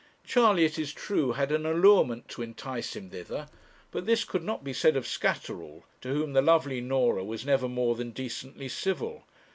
Charley, it is true, had an allurement to entice him thither, but this could not be said of Scatterall, to whom the lovely Norah was never more than decently civil.